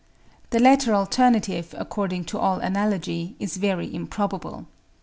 The latter alternative, according to all analogy, is very improbable.